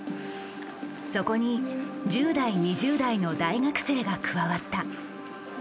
そこに１０代２０代の大学生が加わった。